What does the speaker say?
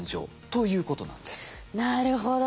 なるほど。